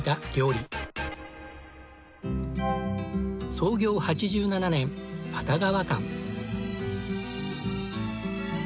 創業８７年熱川館。